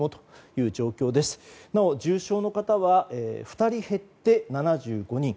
なお、重症の方は２人減って７５人。